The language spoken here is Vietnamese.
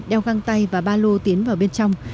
đeo găng tay và ba lô tiến vào bên trong